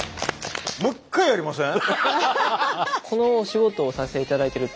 もう一回やりません？